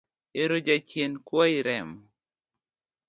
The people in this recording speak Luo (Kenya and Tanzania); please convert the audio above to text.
Ero jachien kwayi remo